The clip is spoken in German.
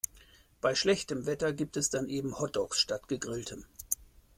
Bei schlechtem Wetter gibt es dann eben Hotdogs statt Gegrilltem.